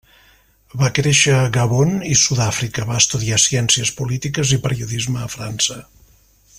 Va créixer a Gabon i Sud-àfrica, va estudiar ciències polítiques i periodisme a França.